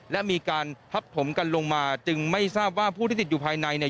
และมีการทับถมกันลงมาจึงไม่ทราบว่าผู้ที่ติดอยู่ภายในเนี่ย